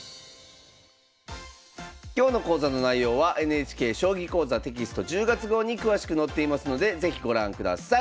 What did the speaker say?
今日の講座の内容はＮＨＫ「将棋講座」テキスト１０月号に詳しく載っていますので是非ご覧ください。